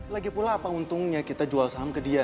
lagipula apa untungnya kita jual saham ke dia